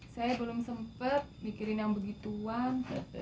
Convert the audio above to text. saya belum sempat mikirin yang begituan